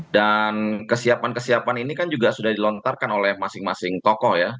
dan kesiapan kesiapan ini kan juga sudah dilontarkan oleh masing masing tokoh ya